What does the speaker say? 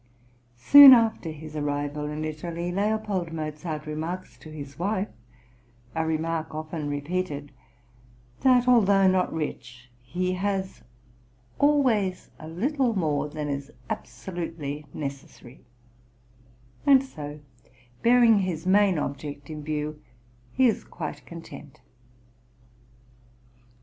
Soon after his arrival in Italy L. Mozart remarks to his wife, a remark often repeated, that although not rich he has "always a little more than is absolutely necessary"; and so bearing his main object in view, he is quite content. {THE ITALIAN TOUR.